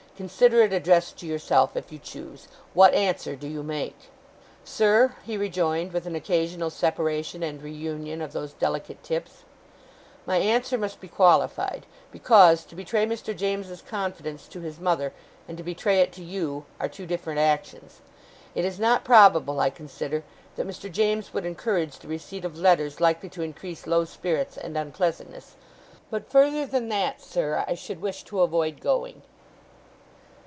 Consider it addressed to yourself, if you choose. What answer do you make?' 'Sir,' he rejoined, with an occasional separation and reunion of those delicate tips, 'my answer must be qualified; because, to betray Mr. James's confidence to his mother, and to betray it to you, are two different actions. It is not probable, I consider, that Mr. James would encourage the receipt of letters likely to increase low spirits and unpleasantness; but further than that, sir, I should wish to avoid going.